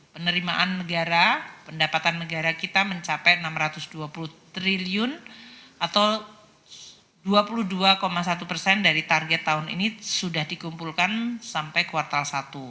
penerimaan negara pendapatan negara kita mencapai enam ratus dua puluh triliun atau dua puluh dua satu persen dari target tahun ini sudah dikumpulkan sampai kuartal satu